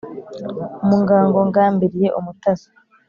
Mu ngango ngambiriye umutasi